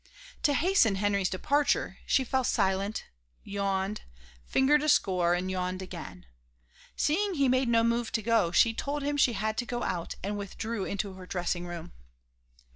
To hasten Henry's departure, she fell silent, yawned, fingered a score, and yawned again. Seeing he made no move to go, she told him she had to go out and withdrew into her dressing room.